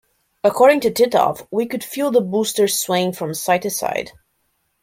According to Titov, We could feel the booster swaying from side to side.